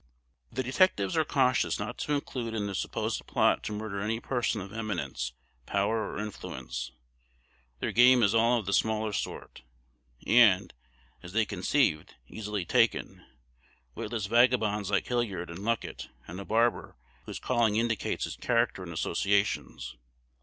The detectives are cautious not to include in the supposed plot to murder any person of eminence, power, or influence. Their game is all of the smaller sort, and, as they conceived, easily taken, witless vagabonds like Hilliard and Luckett, and a barber, whose calling indicates his character and associations.